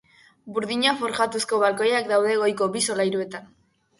Burdina forjatuzko balkoiak daude goiko bi solairuetan.